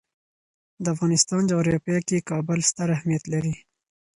د افغانستان جغرافیه کې کابل ستر اهمیت لري.